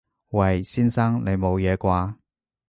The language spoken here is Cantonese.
喂！先生！你冇嘢啩？